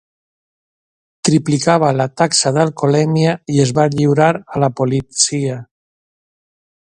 Triplicava la taxa d'alcoholèmia i es va lliurar a la policia.